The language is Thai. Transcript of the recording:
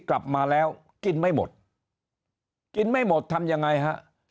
กลับมาแล้วกินไม่หมดกินไม่หมดทำยังไงฮะ